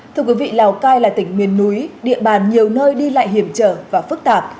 thưa quý vị lào cai là tỉnh miền núi địa bàn nhiều nơi đi lại hiểm trở và phức tạp